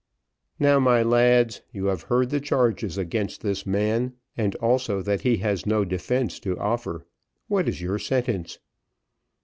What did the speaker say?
"Now, my lads, you have heard the charges against this man, and also that he has no defence to offer, what is your sentence?"